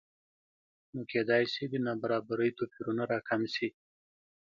نو کېدای شي د نابرابرۍ توپیرونه راکم شي